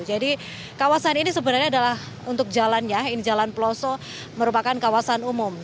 jadi kawasan ini sebenarnya adalah untuk jalannya ini jalan pelosok merupakan kawasan umum